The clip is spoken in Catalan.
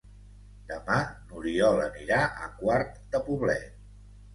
Demà n'Oriol anirà a Quart de Poblet.